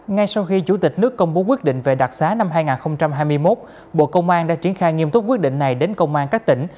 ngay sau khi chủ tịch nước công bố quyết định về đặc xá năm hai nghìn hai mươi một bộ công an đã triển khai nghiêm túc quyết định này đến công an các tỉnh